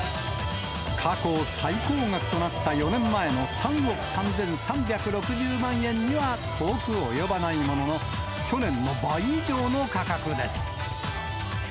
過去最高額となった４年前の３億３３６０万円には遠く及ばないものの、去年の倍以上の価格です。